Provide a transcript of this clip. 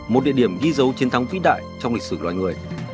một địa điểm ghi dấu chiến thắng vĩ đại trong lịch sử loài người